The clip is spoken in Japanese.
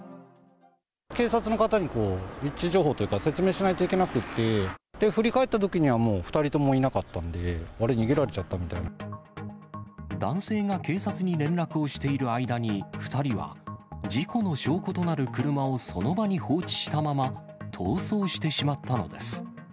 警察の方に位置情報というか、説明しないといけなくて、振り返ったときには、もう２人ともいなかったんで、あれ、逃げられちゃ男性が警察に連絡をしている間に、２人は、事故の証拠となる車をその場に放置したまま、逃走してしまったのです。